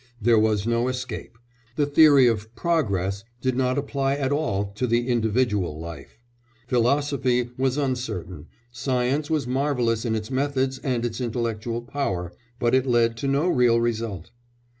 There was no escape; the theory of "progress" did not apply at all to the individual life; philosophy was uncertain; science was marvellous in its methods and its intellectual power, but it led to no real result.